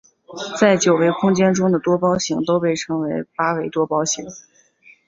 在九维空间中的多胞形都被称为八维多胞形。